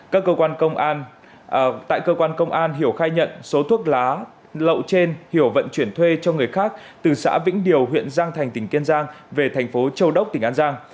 các cơ quan công an hiểu khai nhận số thuốc lá lậu trên hiểu vận chuyển thuê cho người khác từ xã vĩnh điều huyện giang thành tỉnh kiên giang về thành phố châu đốc tỉnh an giang